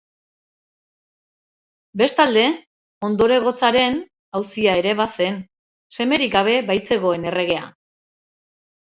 Bestalde, ondorengotzaren auzia ere bazen, semerik gabe baitzegoen erregea.